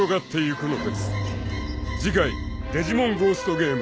［次回『デジモンゴーストゲーム』］